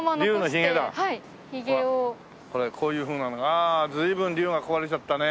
ああ随分龍が壊れちゃったね。